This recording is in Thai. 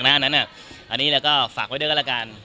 ครั้งนั้นเฝ้าทอบเป็นค่าโหลด